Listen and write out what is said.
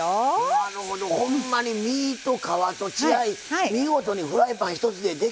なるほどほんまに身と皮と血合い見事にフライパン一つで出来上がりましたな。